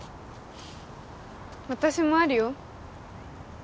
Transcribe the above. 私もあるよ